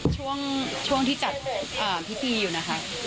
ช่วงที่จัดพิธีอยู่นะคะ